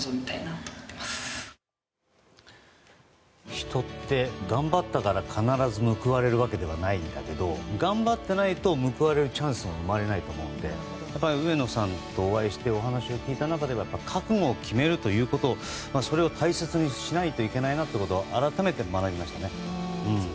人って、頑張ったから必ず報われるわけではないんだけど頑張ってないと報われるチャンスも生まれないと思うのでやっぱり上野さんとお会いしてお話を聞いた中で覚悟を決めるということを大切にしないといけないということを改めて学びましたね。